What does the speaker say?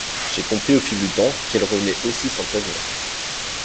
J’ai compris au fil du temps qu’elles revenaient aussi sans prévenir.